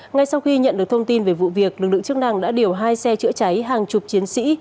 ngay sau khi nhận được thông tin về vụ việc lực lượng chức năng đã điều hai xe chữa cháy hàng chục chiến sĩ